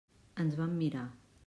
Ens vam mirar.